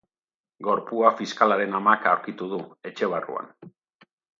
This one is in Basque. Gorpua fiskalaren amak aurkitu du, etxe barruan.